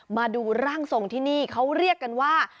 มาดูร่างทรงที่นี่เขาเรียกกันว่า